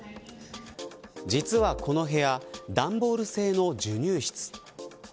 実はこの部屋段ボール製の授乳室。